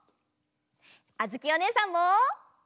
あづきおねえさんも。